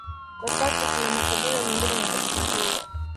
Kwa sasa kuna makabila mengine madogo madogo